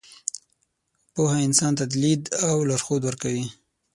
پوهه انسان ته لید او لارښود ورکوي.